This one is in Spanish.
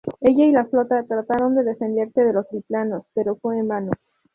Ella y la flota trataron de defenderse de los biplanos, pero fue en vano.